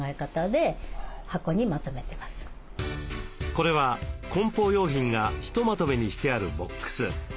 これは梱包用品がひとまとめにしてあるボックス。